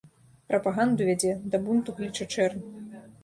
Прапаганду вядзе, да бунту кліча чэрнь.